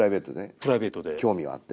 プライベートで興味があって？